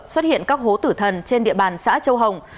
xuất hiện các hố tử thần trên địa bàn xã châu hồng